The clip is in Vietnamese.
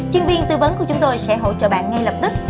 chuyên viên tư vấn của chúng tôi sẽ hỗ trợ bạn ngay lập tức